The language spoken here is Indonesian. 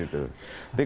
itu di situ